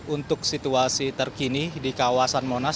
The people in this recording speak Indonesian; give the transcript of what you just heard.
untuk situasi terkini di kawasan monas